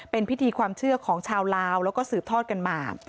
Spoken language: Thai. เป็นพิธีความเชื่อของชาวลาวแล้วก็สืบทอดกันมา